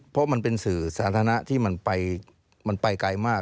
เพราะมันเป็นสื่อสาธารณะที่มันไปไกลมาก